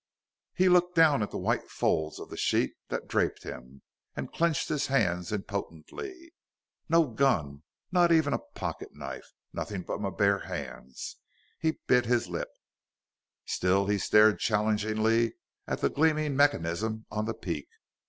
He looked down at the white folds of the sheet that draped him, and clenched his hands impotently. "No gun! Not even a pocket knife. Nothing but my bare hands!" He bit his lip. Still he stared challengingly at the gleaming mechanism on the peak.